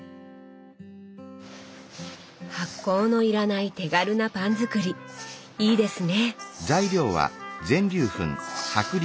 発酵のいらない手軽なパン作りいいですね！